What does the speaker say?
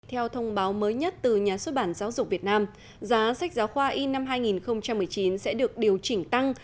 theo thông báo mới nhất từ nhà xuất bản giáo dục việt nam giá sách giáo khoa in năm hai nghìn một mươi chín sẽ được điều chỉnh tăng